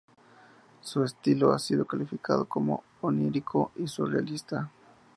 Su estilo ha sido calificado como onírico y surrealista.